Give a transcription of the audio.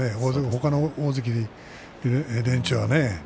ほかの大関連中はね